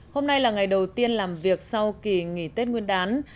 hôm nay là ngày đầu tiên làm việc sau kỳ nghỉ tết nguyên đán